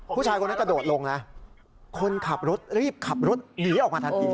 ผู้ชายคนนั้นกระโดดลงนะคนขับรถรีบขับรถหนีออกมาทันที